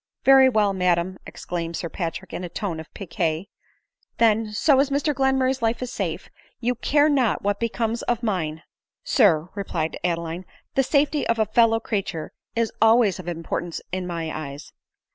" Very well, madam," exclaimed Sir Patrick in a tone of pique ;" then, so as Mr Glenmurray's life is safe, you care not what becomes of mine !" 36 ADELINE MOWBRAY. " Sir," replied Adeline, " the safety of a fellow crea ture is always of importance in my eyes."